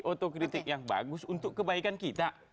otokritik yang bagus untuk kebaikan kita